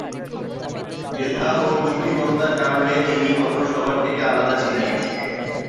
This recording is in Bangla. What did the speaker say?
মেধা ও বুদ্ধিমত্তার কারণে তিনি অন্য সবার থেকে আলাদা ছিলেন।